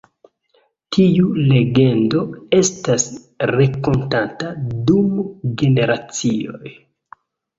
Tiu legendo estas rakontata dum generacioj.